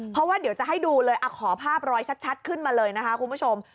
เพราะว่าเดี๋ยวจะให้ดูเลยขอภาพรอยชัดขึ้นมาเลยนะคะคุณผู้ชม